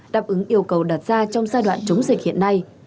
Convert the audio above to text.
đáp ứng yêu cầu đặt ra trong giai đoạn chống dịch hiện nay